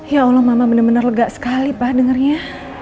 ya allah mama bener bener lega sekali pak dengarnya